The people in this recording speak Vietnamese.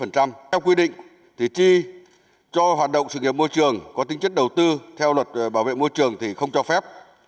theo quy định thì chi cho hoạt động sự nghiệp môi trường có tính chất đầu tư theo luật bảo vệ môi trường thì không cho phép